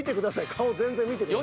顔全然見てください。